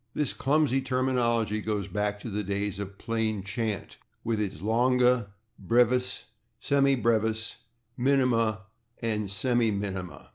This clumsy terminology goes back to the days of plain chant, with its /longa/, /brevis/, /semi brevis/, /minima/ and /semiminima